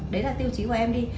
đấy là tiêu chí của em đi